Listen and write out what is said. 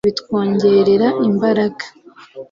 bitwongerera imbaraga